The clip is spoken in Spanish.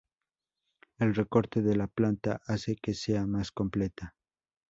El recorte de la planta hace que sea más completa.